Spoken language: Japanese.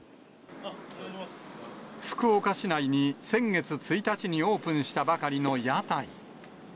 福岡市内に先月１日にオープンしたばかりの屋台。